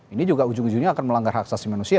ini juga ujung ujungnya akan melanggar hak asasi manusia